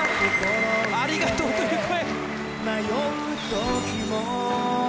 ありがとうという声。